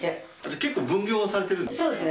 結構分業されてるんですね。